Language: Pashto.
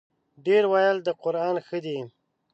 ډېر ویل د قران ښه دی.